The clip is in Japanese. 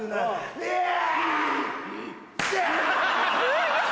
すごい！